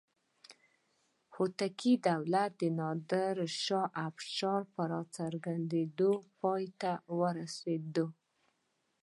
هوتکي دولت د نادر شاه افشار په راڅرګندېدو پای ته ورسېد.